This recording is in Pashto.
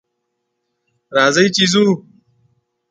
راځئ چې ځو